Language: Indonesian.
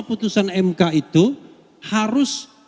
putusan mk itu harus